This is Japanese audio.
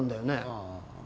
ああ。